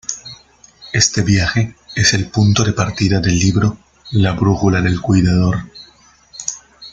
Este viaje es el punto de partida del libro "La brújula del cuidador".